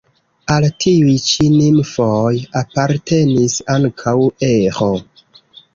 Al tiuj ĉi nimfoj apartenis ankaŭ Eĥo.